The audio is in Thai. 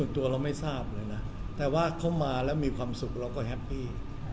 ตัวเราไม่ทราบเลยนะแต่ว่าเขามาแล้วมีความสุขเราก็แฮปปี้